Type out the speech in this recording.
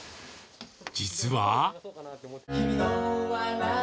実は。